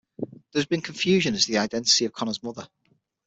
There's been confusion as to the identity of Connor's mother.